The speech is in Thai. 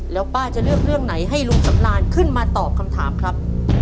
แล้วป้าจะเลือกเรื่องไหนให้ลุงสำรานขึ้นมาตอบคำถามครับ